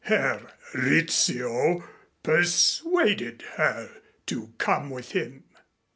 "Herr Rizzio persuaded her to come with him."